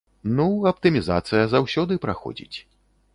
Ну, аптымізацыя заўсёды праходзіць.